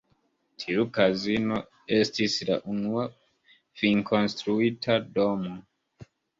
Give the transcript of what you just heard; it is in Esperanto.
Tiu kazino estis la unua finkonstruita domo.